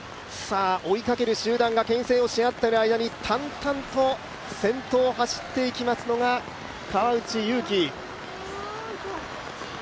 追いかける集団がけん制をし合っている間に淡々と先頭を走っていきますのが、川内優輝。